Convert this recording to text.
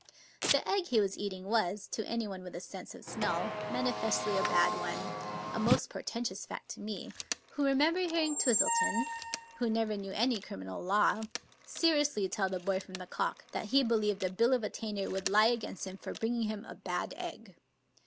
The egg he was eating was, to anyone with a sense of smell, manifestly a bad one; a most portentous fact to me, who remember hearing Twistleton — ^\^'ho never knew any crim inal law — ^seriously tell the boy from the " Cock " that he believed a bill of attainder would lie against him for bring ing him a bad egg.